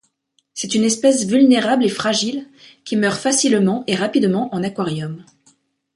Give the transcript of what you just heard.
C'est une espèce vulnérable et fragile, qui meure facilement et rapidement en aquarium.